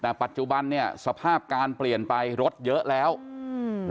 แต่ปัจจุบันเนี้ยสภาพการเปลี่ยนไปรถเยอะแล้วอืม